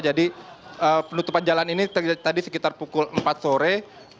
jadi penutupan jalan ini tadi sekitar pukul empat sore